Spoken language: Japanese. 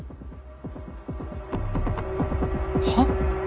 はっ？